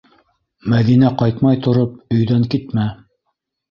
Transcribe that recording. Мәҙинә ҡайтмай тороп, өйҙән китмә.